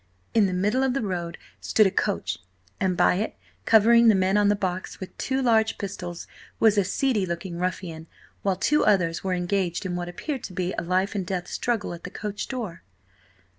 In the middle of the road stood a coach, and by it, covering the men on the box with two large pistols, was a seedy looking ruffian, while two others were engaged in what appeared to be a life and death struggle at the coach door.